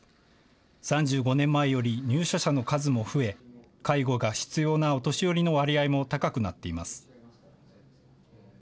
３５年前に比べ入所者の数も増え介護が必要なお年寄りの割合も高くなっています。